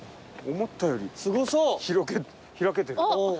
思ったより開けてる。